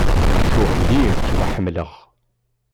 Tuɣ lliɣ ttwaḥemmleɣ.